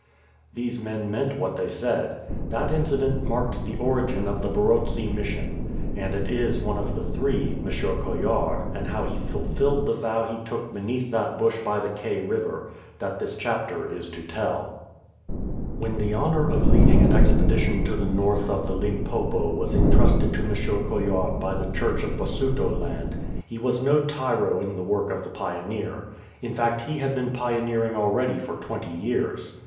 These men meant, what they said. That incident marked the origin of the Barotse Mission. And it is of one of the three, M. Coillard, and how he fulfilled the vow he took beneath that bush by the Kei River, that this chapter is to tell. When the honour of leading an expedition to the north of the Limpopo was entrusted to M. Coillard by the Church of Basutoland, he was no tyro in the work of the pioneer. In fact he had been pioneering already for twenty years.